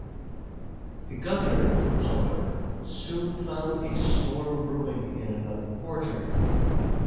The Governor, however, soon found a storm brewing in another quarter.